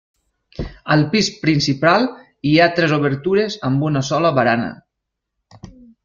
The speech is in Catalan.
Al pis principal hi ha tres obertures amb una sola barana.